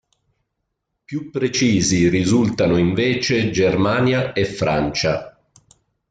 Più precisi risultano invece Germania e Francia..